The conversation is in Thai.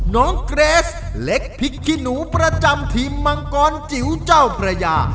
น้องเกรสเล็กพริกขี้หนูประจำทีมมังกรจิ๋วเจ้าพระยา